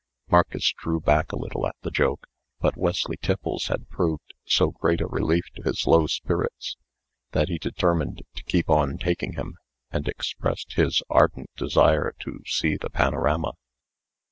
Marcus drew back a little at the joke; but Wesley Tiffles had proved so great a relief to his low spirits, that he determined to keep on taking him, and expressed his ardent desire to see the panorama.